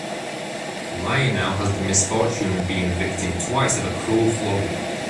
Lionel has the misfortune of being victim twice of a cruel flogging.